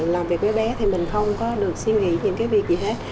làm việc với bé thì mình không có được suy nghĩ những cái việc gì hết